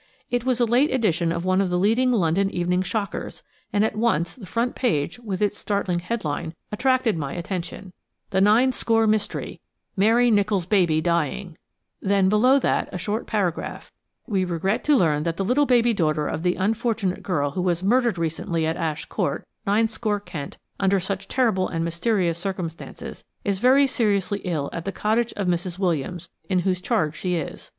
It was a late edition of one of the leading London evening shockers, and at once the front page, with its startling headline, attracted my attention: THE NINESCORE MYSTERYMARY NICHOLL'S BABY DYING Then, below that, a short paragraph:– "We regret to learn that the little baby daughter of the unfortunate girl who was murdered recently at Ash Court, Ninescore, Kent, under such terrible and mysterious circumstances, is very seriously ill at the cottage of Mrs. Williams, in whose charge she is.